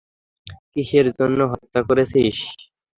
কিসের জন্য হত্যা করেছিস?